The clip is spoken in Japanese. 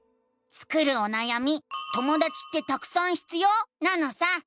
スクるおなやみ「ともだちってたくさん必要？」なのさ！